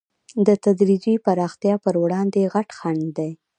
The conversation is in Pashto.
د تدریجي پراختیا پر وړاندې غټ خنډ دی.